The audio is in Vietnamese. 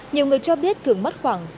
nhiều người cho biết thường mất khoảng